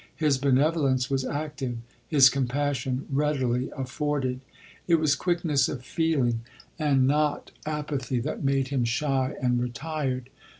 His benevolence was active, his compassion readily afforded. It was quickness of feeling, and not 20 LODORE. apathy, that made him shy and retired.